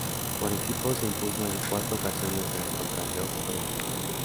Por equipos, se impuso en cuatro ocasiones en contrarreloj por equipos.